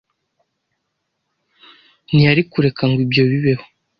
ntiyari kureka ngo ibyo bibeho.